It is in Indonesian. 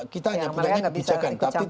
kita hanya punya bijakan